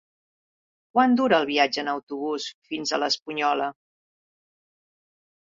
Quant dura el viatge en autobús fins a l'Espunyola?